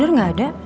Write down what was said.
bener nggak ada